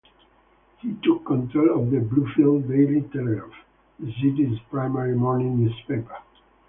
He took control of the Bluefield Daily Telegraph, the city's primary morning newspaper.